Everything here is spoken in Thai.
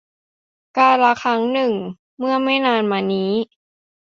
กาลครั้งหนึ่ง เมื่อไม่นานมานี้